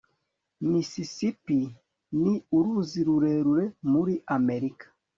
mississippi ni uruzi rurerure muri amerika